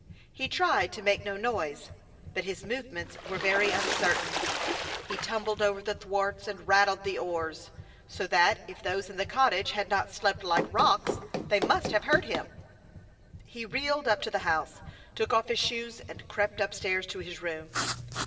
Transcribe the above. He tried to make no noise, but his movements were very uncertain ; he tumbled over the thwarts, and rattled the oars, so that, if those in the cottage had not slept like rocks, they must have heard him. He reeled up to the house, took off his shoes, and crept up stairs to his room.